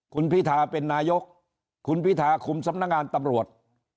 คุณพิธาเป็นนายกคุณพิธาคุมสำนักงานตำรวจ